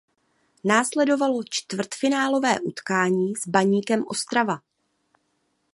Následovalo čtvrtfinálové utkání s Baníkem Ostrava.